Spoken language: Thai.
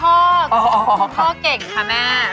พ่อเก่งค่ะแม่